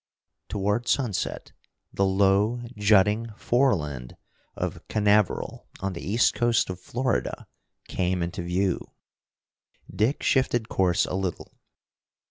Toward sunset the low jutting fore land of Canaveral on the east coast of Florida, came into view. Dick shifted course a little.